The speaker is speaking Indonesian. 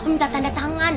minta tanda tangan